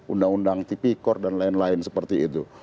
undang undang tipikor dan lain lain seperti itu